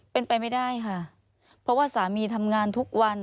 เป็นไปไม่ได้ค่ะเพราะว่าสามีทำงานทุกวัน